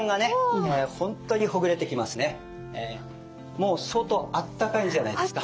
もう相当あったかいんじゃないですか。